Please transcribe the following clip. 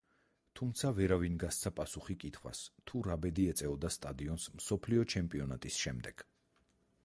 თუმცა ვერავინ გასცა პასუხი კითხვას თუ რა ბედი ეწეოდა სტადიონს მსოფლიო ჩემპიონატის შემდეგ.